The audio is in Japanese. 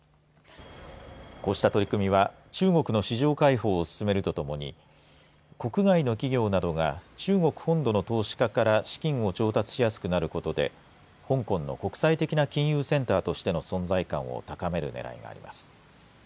こうした取り組みは中国の市場開放を進めるとともに国外の企業などが中国本土の投資家から資金を調達しやすくなることで香港の国際的な金融センターとしての存在感を高めるねらいがあります。